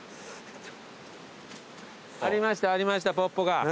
ありましたありましたぽっぽが。